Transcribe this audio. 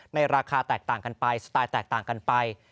ราคาแตกต่างกันไปสไตล์แตกต่างกันไป